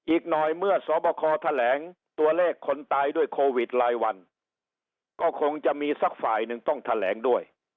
อีกหน่อยเมื่อสอบคอแถลงตัวเลขคนตายด้วยโควิดรายวันก็คงจะมีสักฝ่ายหนึ่งต้องแถลงด้วย